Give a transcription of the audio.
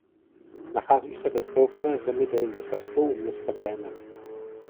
Nachází se ve spolkové zemi Dolní Sasko u města Bremen.